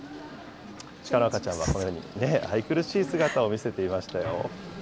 シカの赤ちゃんはこのように愛くるしい姿を見せていましたよ。